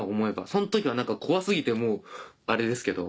その時は怖過ぎてもうあれですけど。